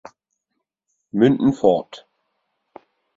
Münden fort.